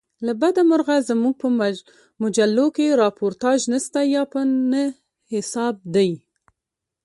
له بده مرغه زموږ په مجلوکښي راپورتاژ نسته یا په نه حساب دئ.